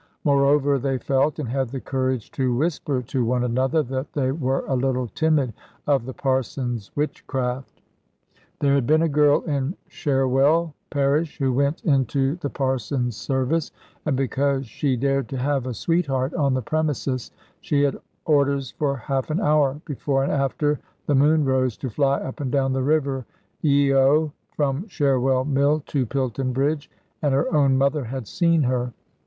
Moreover, they felt, and had the courage to whisper to one another, that they were a little timid of the Parson's witchcraft. There had been a girl in Sherwell parish who went into the Parson's service, and because she dared to have a sweetheart on the premises, she had orders for half an hour, before and after the moon rose, to fly up and down the river Yeo, from Sherwell Mill to Pilton Bridge; and her own mother had seen her.